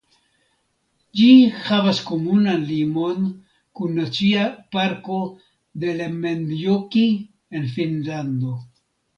Ĝi havas komunan limon kun Nacia Parko de Lemmenjoki en Finnlando.